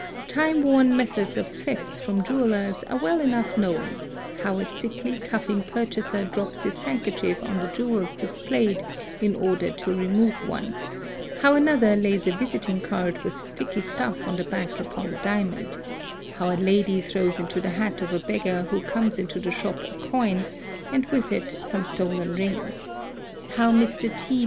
| The time worn methods of thefts from jewellers are well enough _ known—how a sickly, coughing purchaser drops his handkerchief on the jewels displayed, in order to remove one; how another lays a visit ing card with sticky stuff on the back upon a diamond; how a lady _ throws into the hat of a beggar who comes into the shop a coin, and with it some stolen rings; how Mr. T.